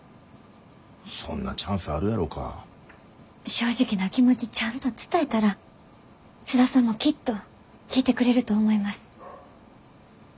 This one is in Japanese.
正直な気持ちちゃんと伝えたら津田さんもきっと聞いてくれると思います。